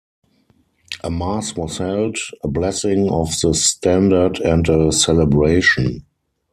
A mass was held, a blessing of the standard and a celebration.